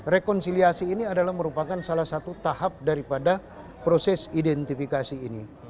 rekonsiliasi ini adalah merupakan salah satu tahap daripada proses identifikasi ini